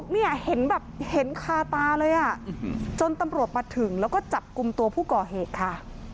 เนี่ยเห็นแบบเห็นคาตาเลยอ่ะจนตำรวจมาถึงแล้วก็จับกลุ่มตัวผู้ก่อเหตุค่ะ